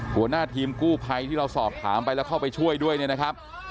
หัวหน้าทีมกู้ภัยที่เราสอบถามไปแล้วเข้าไปช่วยด้วยเนี่ยนะครับ